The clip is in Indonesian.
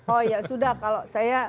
oh ya sudah kalau saya